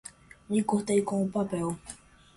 Me cortei com o papel